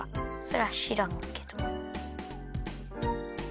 それはしらんけど。